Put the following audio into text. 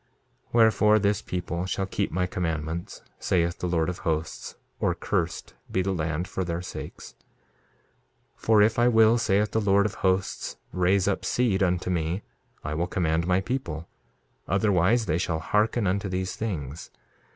2:29 Wherefore, this people shall keep my commandments, saith the Lord of Hosts, or cursed be the land for their sakes. 2:30 For if I will, saith the Lord of Hosts, raise up seed unto me, I will command my people; otherwise they shall hearken unto these things.